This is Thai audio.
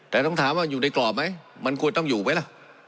แต่ต้องถามว่าอยู่ในกรอบไหมมันควรต้องอยู่ไหมล่ะ